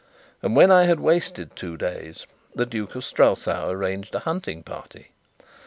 And when I had wasted two days, the Duke of Strelsau arranged a hunting party.